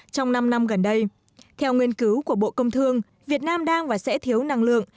trong năm năm gần đây theo nghiên cứu của bộ công thương việt nam đang và sẽ thiếu năng lượng